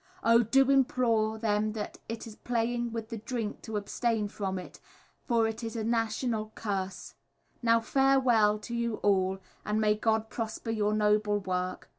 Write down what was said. Oh! do implore them that is playing with the drink to abstain from it, for it is a national curse. Now farewell to you all, and may God prosper your noble work.